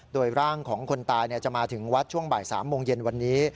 โดยร่างของคนตายจะมาถึงวัดช่วงบ่าย๓โมงเย็นวันนี้